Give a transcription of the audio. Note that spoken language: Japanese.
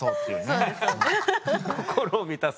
心を満たす。